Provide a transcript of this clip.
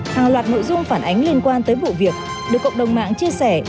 hàng loạt nội dung phản ánh liên quan tới vụ việc được cộng đồng mạng chia sẻ